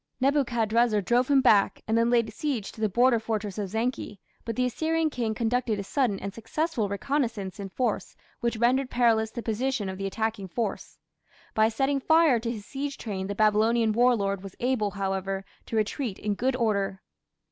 Nebuchadrezzar drove him back and then laid siege to the border fortress of Zanki, but the Assyrian king conducted a sudden and successful reconnaissance in force which rendered perilous the position of the attacking force. By setting fire to his siege train the Babylonian war lord was able, however, to retreat in good order.